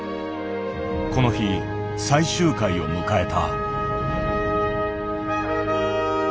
この日最終回を迎えた。